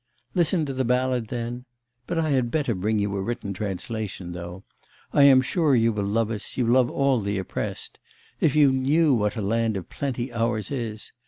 Listen to the ballad then.... But I had better bring you a written translation, though. I am sure you will love us, you love all the oppressed. If you knew what a land of plenty ours is!